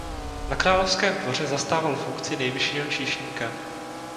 Na královském dvoře zastával funkci nejvyššího číšníka.